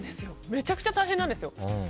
めちゃくちゃ大変なんですよ。